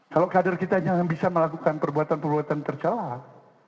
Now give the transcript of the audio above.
kalau kader kita yang bisa melakukan perbuatan perbuatan tercelah